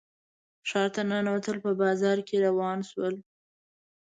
ښار ته ننوتل په بازار کې روان شول.